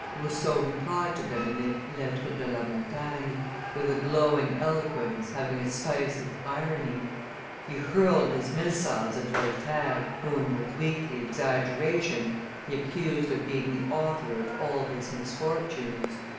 Rousseau replied to them in the Lettres de la Montagne, with a glowing eloquence having a spice of irony. He hurled his missiles at Voltaire, whom, with weakly exaggeration, he accused of being the author of all his misfortunes.